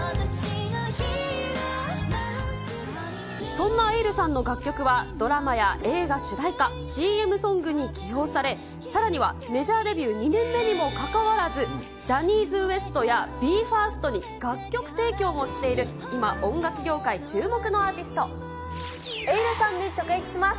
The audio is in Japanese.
そんなエイルさんの楽曲は、ドラマや映画主題歌、ＣＭソングに起用され、さらにはメジャーデビュー２年目にもかかわらず、ジャニーズＷＥＳＴやＢＥ：ＦＩＲＳＴに楽曲提供もしている今、エイルさんに直撃します。